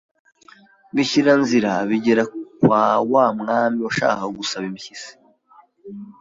bishyira nzira bigera kwa wa mwami washakaga gusaba impyisi